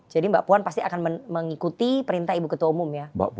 jadi mbak puan pasti akan mengikuti perintah ibu ketua umum ya